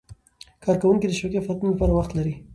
کارکوونکي د شوقي فعالیتونو لپاره وخت لري.